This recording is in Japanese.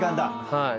はい。